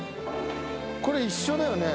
これ一緒だよね。